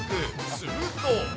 すると。